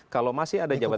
kalau masih ada jabatan